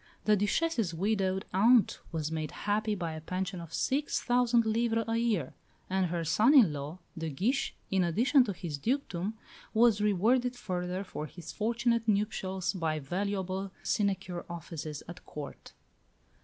The Duchesse's widowed aunt was made happy by a pension of six thousand livres a year; and her son in law, de Guiche, in addition to his dukedom, was rewarded further for his fortunate nuptials by valuable sinecure offices at Court.